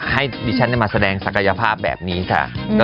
ให้ดิฉันมาแสดงศักยภาพแบบนี้ค่ะ